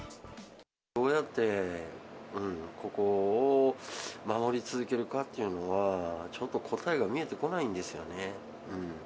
どうやってここを守り続けるかっていうのは、ちょっと答えが見えてこないんですよね。